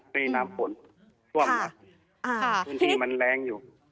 ไม่มีน้ำฝนส่วนที่มันแรงอยู่